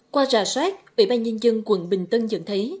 qua trả soát ủy ban nhân dân tp hcm dẫn thấy